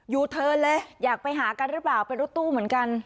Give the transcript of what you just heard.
ยูเทิร์นเลยอยากไปหากันหรือเปล่าเป็นรถตู้เหมือนกัน